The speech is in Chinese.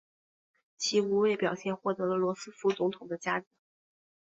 其无畏表现获得了罗斯福总统的嘉奖。